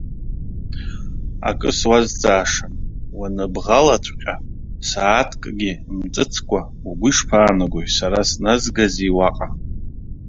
Акы суазҵаашан, уаныбӷалаҵәҟьа, сааҭкгьы мҵыцкәа, угәы ишԥаанагои, сара сназгазеи уаҟа?